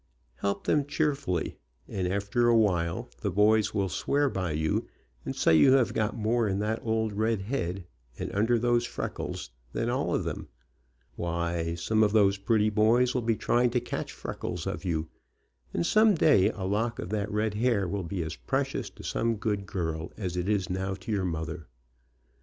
Help them cheerfully, and after a while the boys will swear by you, and say you Lave got more in that old red head, ami under those RED HEADED BOY ANGEL freckles, than all of them. Why, some of those pretty boys will be trying to catch freckles of you, and some day a lock of that red hair will be as precious to some good girl as it is now to your mother.